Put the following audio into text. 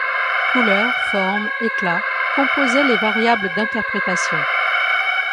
Couleur forme, éclat composaient les variables d'interprétation.